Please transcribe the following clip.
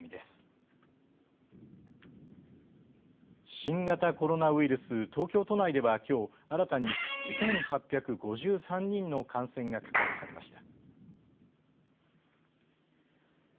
新型コロナウイルス、東京都内ではきょう、新たに１８５３人の感染が確認されました。